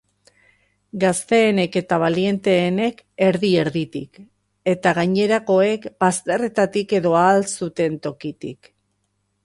Gazteenek eta balienteenek erdi-erditik, eta gainerakoek bazterretatik edo ahal zuten tokitik.